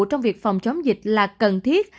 trong việc phòng chống dịch là cần thiết